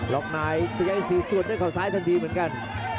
ล็อกไนด์พยังอินซีสวนด้วยเข่าซ้ายทันทีเหมือนกัน